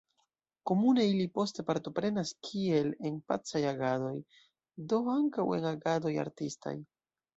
Komune ili poste partoprenas kiel en pacaj agadoj, do ankaŭ en agadoj artistaj.